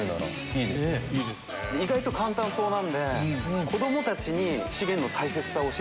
意外と簡単そうなんで。